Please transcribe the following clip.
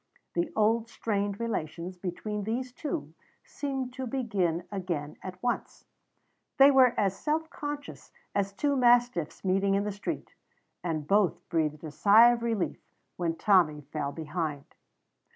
The old strained relations between these two seemed to begin again at once. They were as self conscious as two mastiffs meeting in the street; and both breathed a sigh of relief when Tommy fell behind.